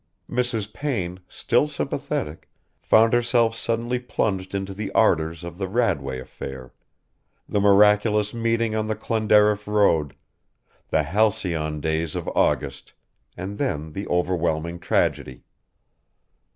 Mrs. Payne, still sympathetic, found herself suddenly plunged into the ardours of the Radway affair; the miraculous meeting on the Clonderriff road; the halcyon days of August, and then the overwhelming tragedy.